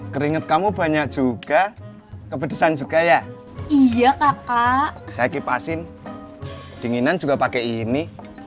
keringet kamu banyak juga kepedesan juga ya iya kak saya kipasin dinginan juga pakai ini